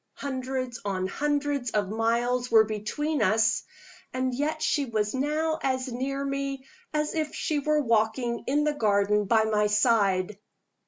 Hundreds on hundreds of miles were between us and yet she was now as near me as if she were walking in the garden by my side!